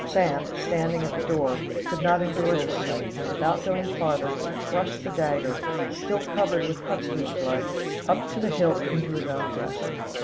Sand, standing at the door, could not endure this sight, and without going farther, he thrust the dagger, still covered with Kotzebue's blood, up to the hilt into his own breast.